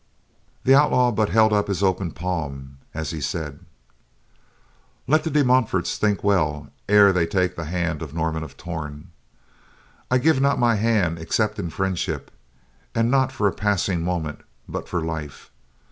The outlaw but held up his open palm, as he said, "Let the De Montforts think well ere they take the hand of Norman of Torn. I give not my hand except in friendship, and not for a passing moment; but for life.